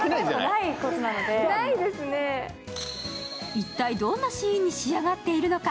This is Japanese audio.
一体どんなシーンに仕上がっているのか。